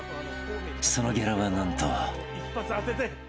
［そのギャラは何と］